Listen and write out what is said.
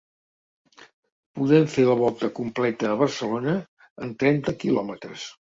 Podem fer la volta completa a Barcelona en trenta quilòmetres.